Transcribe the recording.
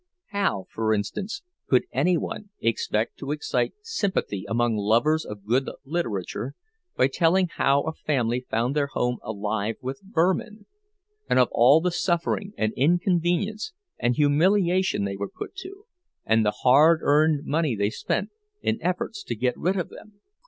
How, for instance, could any one expect to excite sympathy among lovers of good literature by telling how a family found their home alive with vermin, and of all the suffering and inconvenience and humiliation they were put to, and the hard earned money they spent, in efforts to get rid of them?